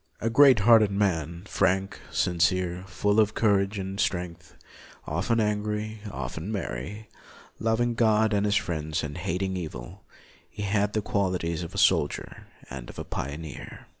A great hearted man, frank, sincere, full of courage and 28 LUTHER strength, often angry, often merry, loving God and his friends, and hating evil, he had the qualities of a soldier and of a pio neer.